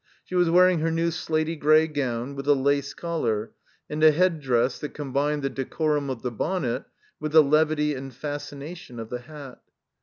She was wear ing her new slaty gray gown with the lace collar, and a head dress that combined the decorum of the bonnet with the levity and fascination of the hat.